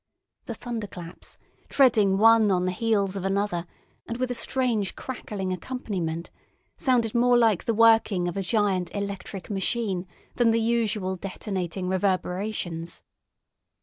The thunderclaps, treading one on the heels of another and with a strange crackling accompaniment, sounded more like the working of a gigantic electric machine than the usual detonating reverberations.